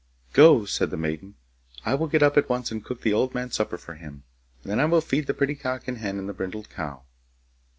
'Go,' said the maiden, 'I will get up at once and cook the old man's supper for him, and then I will feed the pretty cock and hen and the brindled cow.